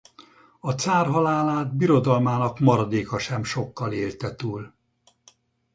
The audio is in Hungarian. A cár halálát birodalmának maradéka sem sokkal élte túl.